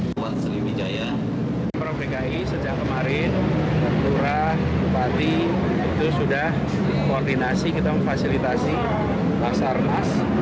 sriwijaya prof dki sejak kemarin lurah bupati itu sudah koordinasi kita memfasilitasi pasar nas